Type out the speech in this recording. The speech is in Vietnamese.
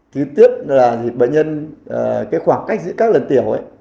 thứ tiếp là thì bệnh nhân cái khoảng cách giữa các lần tiểu ấy